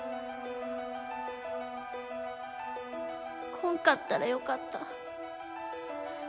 来んかったらよかった。